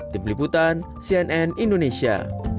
tim liputan cnn indonesia